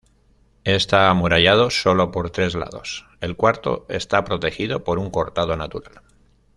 Está amurallado solo por tres lados, el cuarto está protegido por un cortado natural.